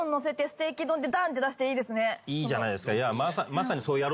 いいじゃないですか。